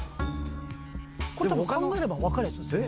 これ考えれば分かるやつですよね？